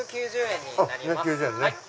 ２９０円ね。